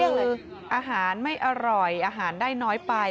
ก็คืออาหารไม่อร่อยอาหารได้น้อยไป